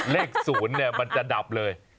เลข๐เนี่ยมันจะดับเลย